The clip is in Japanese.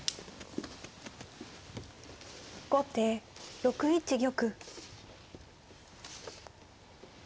後手６一玉。